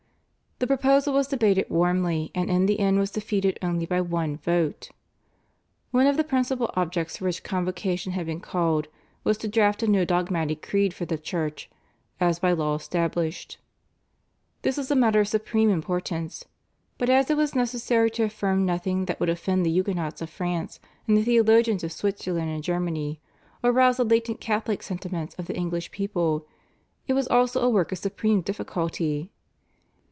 The proposal was debated warmly and in the end was defeated only by one vote. One of the principal objects for which Convocation had been called was to draft a new dogmatic creed for the Church "as by law established." This was a matter of supreme importance. But as it was necessary to affirm nothing that would offend the Huguenots of France and the theologians of Switzerland and Germany, or rouse the latent Catholic sentiments of the English people, it was also a work of supreme difficulty.